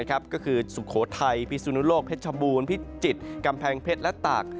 ก็คือสุโขทัยพิสุนุโลกเพชรบูรณพิจิตรกำแพงเพชรและตาก